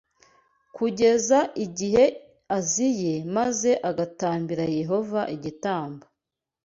kugeza igihe aziye maze agatambira Yehova igitambo